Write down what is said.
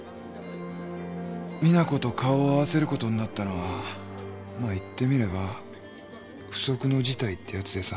実那子と顔を合わせることになったのはまぁ言ってみれば不測の事態ってやつでさ。